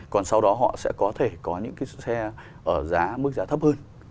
còn sau đó họ sẽ có thể có những cái xe ở giá mức giá thấp hơn